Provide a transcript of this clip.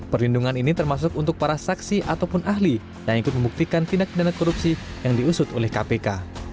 perlindungan ini termasuk untuk para saksi ataupun ahli yang ikut membuktikan tindak pidana korupsi yang diusut oleh kpk